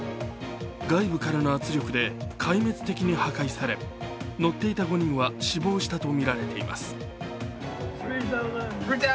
外部からの圧力で壊滅的に破壊され乗っていた５人は死亡したとみられています。